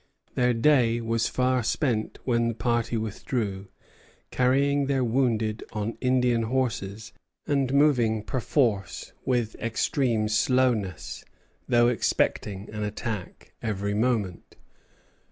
The day was far spent when the party withdrew, carrying their wounded on Indian horses, and moving perforce with extreme slowness, though expecting an attack every moment.